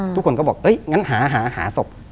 ทุกคนก็บอกงั้นหาศพ